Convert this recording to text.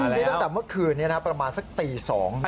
นี่ตั้งแต่เมื่อคืนนี้นะครับประมาณสักตี๒นะครับ